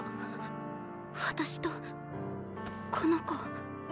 私とこの子。